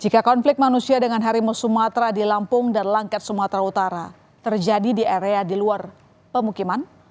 jika konflik manusia dengan harimau sumatera di lampung dan langkat sumatera utara terjadi di area di luar pemukiman